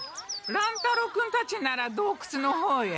乱太郎君たちならどうくつの方へ。